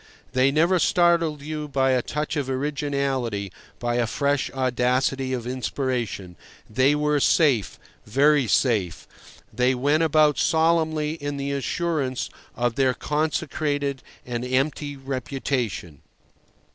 They never startled you by a touch of originality, by a fresh audacity of inspiration. They were safe, very safe. They went about solemnly in the assurance of their consecrated and empty reputation.